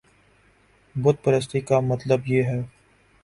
بت پرستی کا مطلب یہ ہے